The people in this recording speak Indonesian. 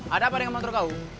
ada apa dengan motor kau